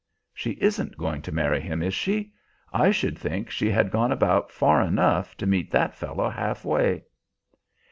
"She isn't going to marry him, is she? I should think she had gone about far enough, to meet that fellow halfway."